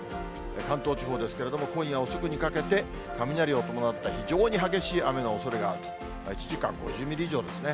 関東地方ですけれども、今夜遅くにかけて、雷を伴った非常に激しい雨のおそれがあると、１時間５０ミリ以上ですね。